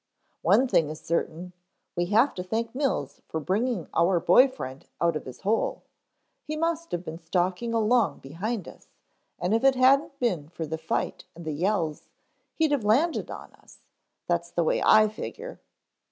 "One thing is certain, we have to thank Mills for bringing our boy friend out of his hole. He must have been stalking along behind us and if it hadn't been for the fight and the yells, he'd have landed on us. That's the way I figure."